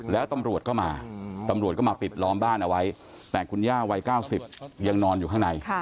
แล้วตำรวจก็มาตำรวจก็มาปิดล้อมบ้านเอาไว้แต่คุณย่าวัย๙๐ยังนอนอยู่ข้างใน